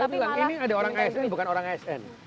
saya bilang ini ada orang asn bukan orang asn